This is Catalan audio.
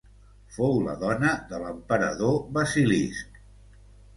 Fou la dona de l'emperador Basilisc.